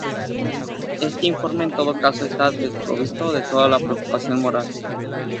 Este informe, en todo caso, está desprovisto de toda preocupación moral.